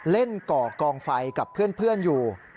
ก่อกองไฟกับเพื่อนอยู่